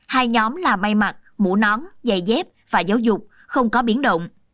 hai nhóm là may mặt mũ nón giày dép và giáo dục không có biến động